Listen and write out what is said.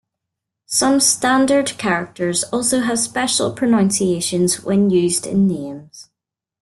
Some standard characters also have special pronunciations when used in names.